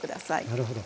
なるほど。